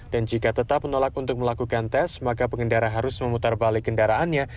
jika tetap menolak untuk melakukan tes maka pengendara harus memutar balik kendaraannya